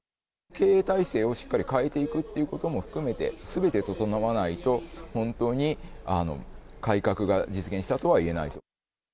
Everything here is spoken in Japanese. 経営体制をしっかり変えていくということも含めて、すべて整わないと、本当に改革が実現したとはいえないと。